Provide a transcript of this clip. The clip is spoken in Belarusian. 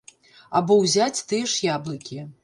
Або ўзяць тыя ж яблыкі.